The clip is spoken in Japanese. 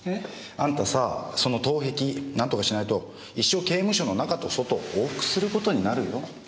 あんたさその盗癖なんとかしないと一生刑務所の中と外往復することになるよ。